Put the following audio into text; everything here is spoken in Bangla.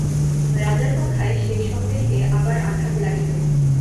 রাজার কথায় সেই সন্দেহে আবার আঘাত লাগিল।